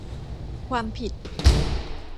ความผิด